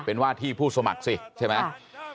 เป็นว่าที่ผู้สมัครสิใช่ไหม